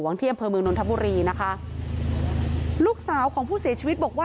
ที่อำเภอเมืองนนทบุรีนะคะลูกสาวของผู้เสียชีวิตบอกว่า